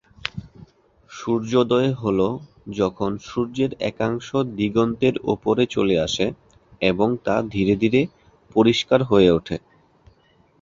সূর্যোদয় হল যখন সূর্যের একাংশ দিগন্তের উপরে চলে আসে এবং তা ধীরে ধীরে পরিষ্কার হয়ে ওঠে।